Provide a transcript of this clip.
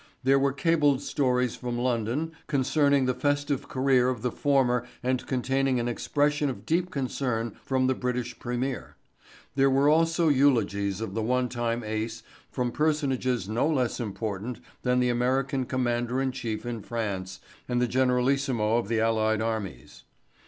There were cabled stories from London concerning the festive career of the former and containing an expression of deep concern from the British premier. There were also eulogies of the one time ace from personages no less important than the American commander in chief in France and the generalissimo of the allied armies.